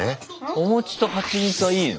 お餅とはちみつはいいの？